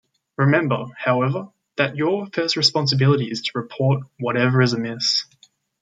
Remember, however, that your first responsibility is to "report" whatever is amiss.